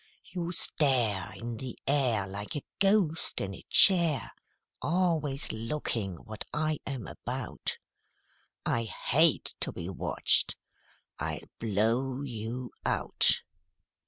You stare In the air Like a ghost in a chair, Always looking what I am about; I hate to be watched I'll blow you out."